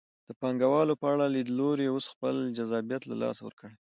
د پانګوالو په اړه لیدلوري اوس خپل جذابیت له لاسه ورکړی.